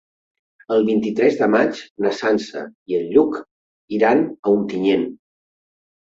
El vint-i-tres de maig na Sança i en Lluc iran a Ontinyent.